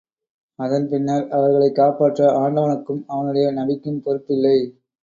அதன் பின்னர் அவர்களைக் காப்பாற்ற ஆண்டவனுக்கும், அவனுடைய நபிக்கும் பொறுப்பில்லை.